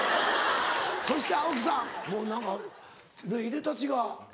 そして青木さんもう何かいでたちが。